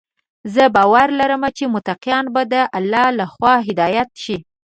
زه باور لرم چې متقیان به د الله لخوا هدايت شي.